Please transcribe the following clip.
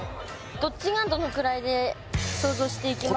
どっちがどのくらいで想像していきます？